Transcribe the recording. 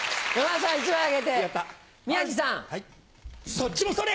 そっちもそれ！